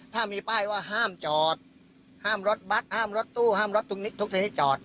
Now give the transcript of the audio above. ถ้ามีป้ายว่าห้ามจอดห้ามรถบัตรห้ามรถตู้ห้ามรถทุกชนิดจอด